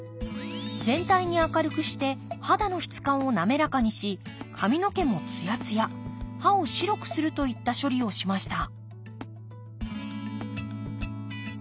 全体に明るくして肌の質感を滑らかにし髪の毛もつやつや歯を白くするといった処理をしました